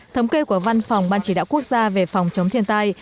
thống kê của văn phòng ban chỉ đạo quốc gia về phòng chống thiên tai